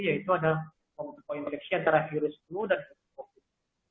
yaitu ada koinfeksi antara virus flu dan covid